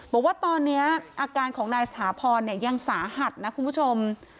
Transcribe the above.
บอกว่าตอนนี้อาการของนายสถาพรยังสาหัสนะคุณผู้ชม